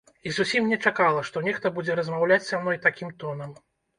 І зусім не чакала, што нехта будзе размаўляць са мной такім тонам.